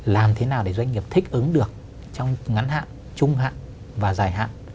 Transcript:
làm thế nào để doanh nghiệp thích ứng được trong ngắn hạn trung hạn và dài hạn